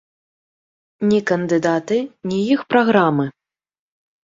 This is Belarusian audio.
Ні кандыдаты, ні іх праграмы.